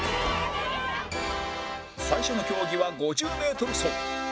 最初の競技は５０メートル走